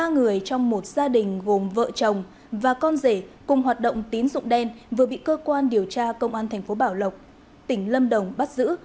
ba người trong một gia đình gồm vợ chồng và con rể cùng hoạt động tín dụng đen vừa bị cơ quan điều tra công an thành phố bảo lộc tỉnh lâm đồng bắt giữ